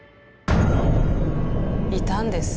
いたんです。